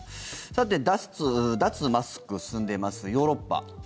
さて、脱マスク進んでいますヨーロッパ。